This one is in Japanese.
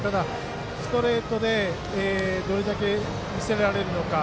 ストレートでどれだけ見せられるのか。